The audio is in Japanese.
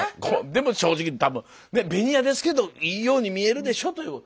でも正直多分ベニヤですけどいいように見えるでしょという。